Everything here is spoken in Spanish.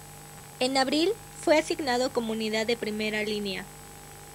En abril, fue asignado como unidad de primera línea.